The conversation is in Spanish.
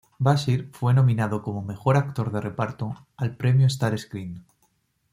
Bashir fue nominado como Mejor Actor de Reparto al Premio Star Screen.